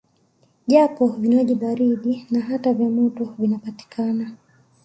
Japo vinywaji baridi na hata vya moto vinapatikana